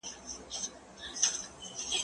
زه اوږده وخت کتابونه ليکم،